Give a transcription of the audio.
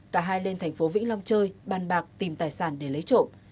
cả hai lên thành phố vĩnh long chơi bàn bạc tìm tài sản để lấy trộm